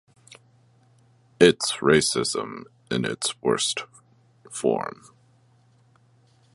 It's racism in its worst form.